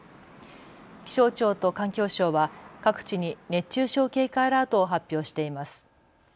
気象庁と環境省は各地に熱中症警戒アラートを発表しています。